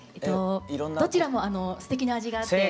どちらもすてきな味があって。